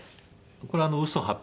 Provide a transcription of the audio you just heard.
これ『嘘八百